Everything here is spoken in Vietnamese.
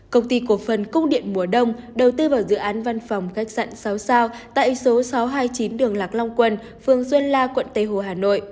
công ty cổ phần cung điện mùa đông đầu tư vào dự án văn phòng khách sạn sáu sao tại số sáu trăm hai mươi chín đường lạc long quân phường xuân la quận tây hồ hà nội